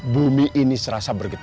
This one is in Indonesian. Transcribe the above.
bumi ini serasa bergek